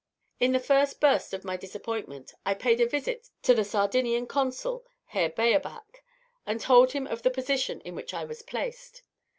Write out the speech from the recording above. In the first burst of my disappointment, I paid a visit to the Sardinian Consul, Herr Bayerbach, and told him of the position in which I was placed.